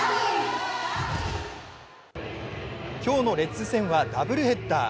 今日のレッズ戦はダブルヘッダー。